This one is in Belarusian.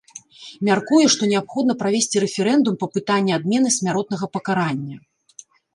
Мяркуе, што неабходна правесці рэферэндум па пытанні адмены смяротнага пакарання.